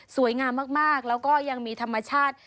สวยงามมากแล้วก็ยังมีธรรมชาติ